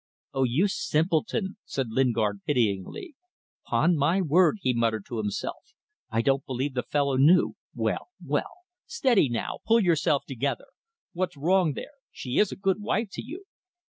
"Oh, you simpleton!" said Lingard, pityingly. "'Pon my word," he muttered to himself, "I don't believe the fellow knew. Well! well! Steady now. Pull yourself together. What's wrong there. She is a good wife to you."